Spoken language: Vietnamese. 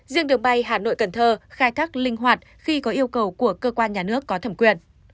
riêng đường bay hà nội cần thơ khai thác linh hoạt khi có yêu cầu của cơ quan nhà nước có thẩm quyền